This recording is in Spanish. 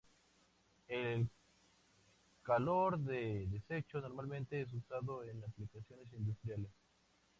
El calor de desecho normalmente es usado en aplicaciones industriales.